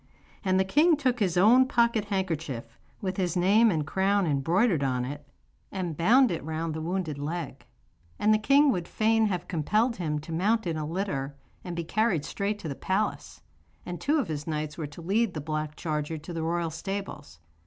And the king took his own pocket handkerchief, with his name and crown embroidered on it, and bound it round the wounded leg. And the king would fain have compelled him to mount in a litter and be carried straight to the palace, and two of his knights were to lead the black charger to the royal stables.